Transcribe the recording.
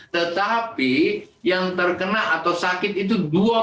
tetapi yang terkena atau sakit itu dua puluh tujuh ratus dua puluh tiga